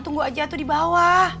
tunggu aja tuh di bawah